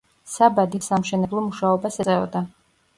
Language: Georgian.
საბა დიდ საამშენებლო მუშაობას ეწეოდა.